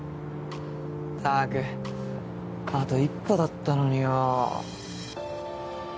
ったくあと一歩だったのによ。